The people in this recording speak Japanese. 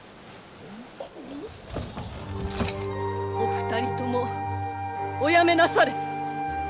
お二人ともおやめなされ！